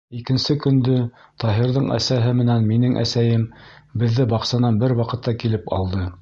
Икенсе көндө Таһирҙың әсәһе менән минең әсәйем беҙҙе баҡсанан бер ваҡытта килеп алды.